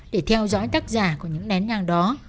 để theo dõi tác giả của những nén nhang đó